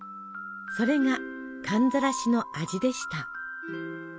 それが寒ざらしの味でした。